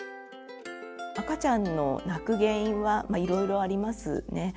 赤ちゃんの泣く原因はいろいろありますね。